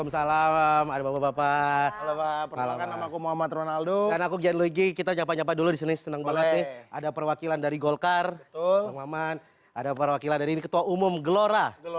sekarang kita akan berbicara tentang yang terakhir